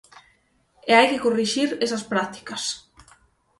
E hai que corrixir esas prácticas.